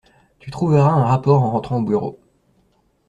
Tu trouveras un rapport en rentrant au bureau.